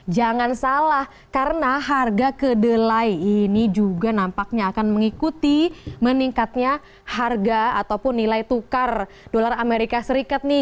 jangan salah karena harga kedelai ini juga nampaknya akan mengikuti meningkatnya harga ataupun nilai tukar dolar amerika serikat nih